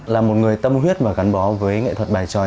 là một người tâm huyết và gắn bó với nghệ thuật bài tròi